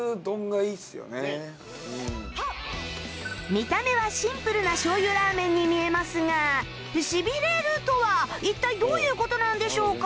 見た目はシンプルな醤油ラーメンに見えますがシビれるとは一体どういう事なんでしょうか？